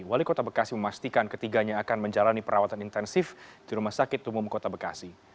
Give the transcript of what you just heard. wali kota bekasi memastikan ketiganya akan menjalani perawatan intensif di rumah sakit umum kota bekasi